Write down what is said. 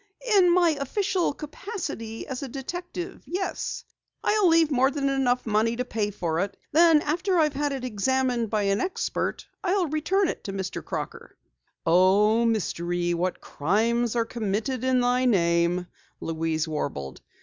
"In my official capacity as a detective yes. I'll leave more than enough money to pay for it. Then after I've had it examined by an expert, I'll return it to Mr. Crocker." "O Mystery, what crimes are committed in thy name," Louise warbled.